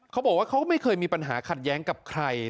เขาก็ไม่เคยมีปัญหาขัดแย้งกับใคร